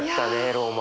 ローマ。